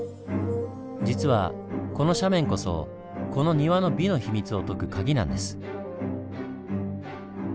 実はこの斜面こそこの庭の美の秘密を解く鍵なんです。